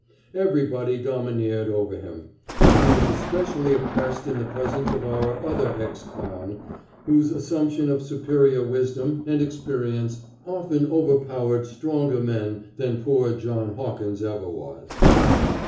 Everybody domineered over him, and he was especially oppressed in the presence of our other ex clown, whose assumption of superior wisdom and experience often overpowered stronger men than poor John Hawkins ever was.